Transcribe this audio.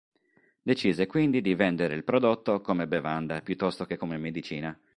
Decise quindi di vendere il prodotto come bevanda piuttosto che come medicina.